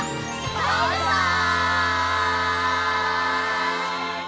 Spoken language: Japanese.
バイバイ！